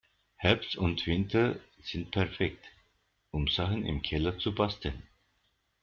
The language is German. Herbst und Winter sind perfekt, um Sachen im Keller zu basteln.